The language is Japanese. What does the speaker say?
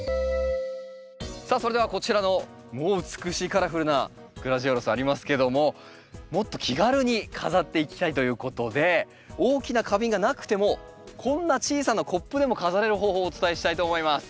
さあそれではこちらのもう美しいカラフルなグラジオラスありますけどももっと気軽に飾っていきたいということで大きな花瓶がなくてもこんな小さなコップでも飾れる方法をお伝えしたいと思います。